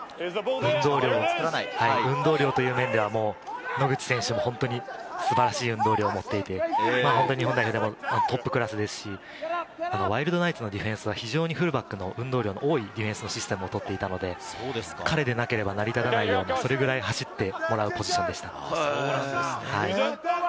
運動量という面では、野口選手も本当に素晴らしい運動量を持っていて、日本代表でもトップクラスですし、ワイルドナイツのディフェンスは非常にフルバックの運動量の多いディフェンスシステムを取っていたので、彼でなければ成り立たない、それぐらい走ってもらうポジションでした。